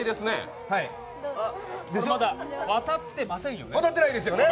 まだ渡ってませんよね。